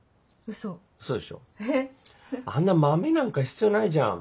あんな豆なんか必要ないじゃん。